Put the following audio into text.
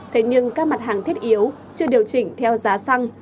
thế nhưng các mặt hàng thiết yếu chưa điều chỉnh theo giá xăng